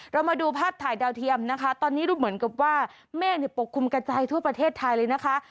เรามาดูภาพถ่ายดาวเทียมนะคะตอนนี้ดูเหมือนกับว่าเมฆปกคลุมกระจายทั่วประเทศไทยเลยนะคะ